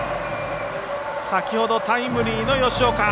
先ほどタイムリーの吉岡。